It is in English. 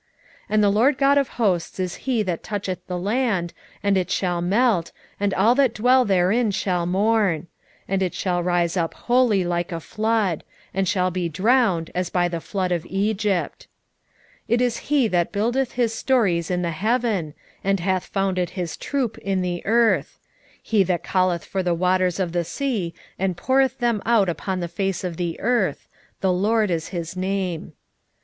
9:5 And the Lord GOD of hosts is he that toucheth the land, and it shall melt, and all that dwell therein shall mourn: and it shall rise up wholly like a flood; and shall be drowned, as by the flood of Egypt. 9:6 It is he that buildeth his stories in the heaven, and hath founded his troop in the earth; he that calleth for the waters of the sea, and poureth them out upon the face of the earth: The LORD is his name.